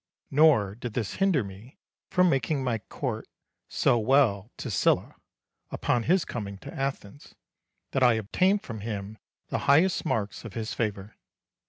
Nor did this hinder me from making my court so well to Sylla, upon his coming to Athens, that I obtained from him the highest marks of his favour.